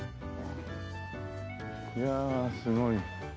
いやあすごい。